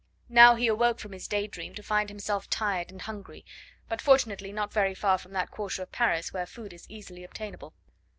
Now he awoke from his day dream to find himself tired and hungry, but fortunately not very far from that quarter of Paris where food is easily obtainable.